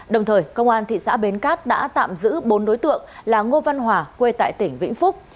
đồng thời công an thị xã bến cát đã tạm giữ bốn đối tượng là ngô văn hòa quê tại tỉnh vĩnh phúc